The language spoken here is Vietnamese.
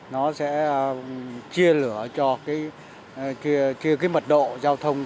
nó sẽ chia lửa cho cái mật độ giao thông